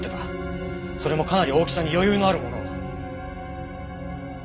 それもかなり大きさに余裕のあるものを。